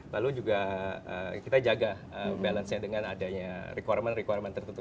lalu juga kita jaga balance nya dengan adanya requirement requirement tertentu